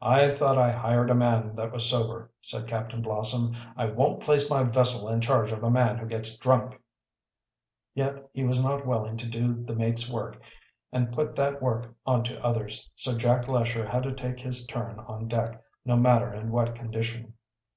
"I thought I hired a man that was sober," said Captain Blossom. "I won't place my vessel in charge of a man who gets drunk." Yet he was not willing to do the mate's work, or put that work onto others, so Jack Lesher had to take his turn on deck, no matter in what condition.